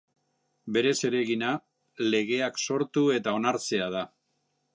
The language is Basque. Bere zeregina legeak sortu eta onartzea da.